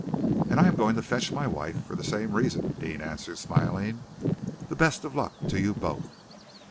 "And I am going to fetch my wife for the same reason," Deane answered, smiling. "The best of luck to you both!"